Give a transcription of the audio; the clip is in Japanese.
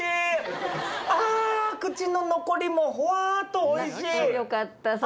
あ口の残りもほわっとおいしい。